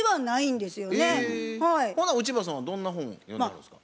ほな内場さんはどんな本を読んではるんですか？